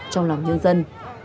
trong lòng nhân dân